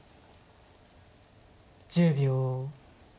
１０秒。